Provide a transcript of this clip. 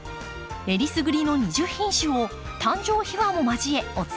えりすぐりの２０品種を誕生秘話を交えお伝えします。